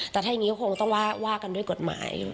แต่ถ้าอย่างนี้ก็คงต้องว่ากันด้วยกฎหมายอยู่